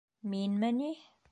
Минме ни?